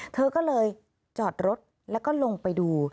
เธอก็เลยจอดรถแล้วก็ลงไปดู